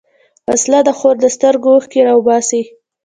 وسله د خور د سترګو اوښکې راوباسي